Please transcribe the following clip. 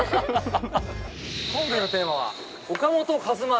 今回のテーマは、岡本和真